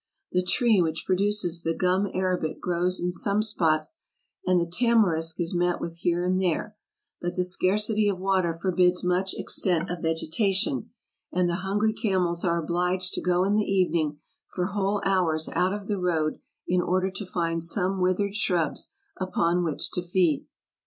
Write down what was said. The tree which produces the gum arabic grows in some spots, and the tamarisk is met with here and there ; but the scarcity of water forbids much ex tent of vegetation, and the hungry camels are obliged to go in the evening for whole hours out of the road in order to find some withered shrubs upon which to feed.